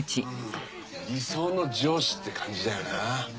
理想の上司って感じだよな。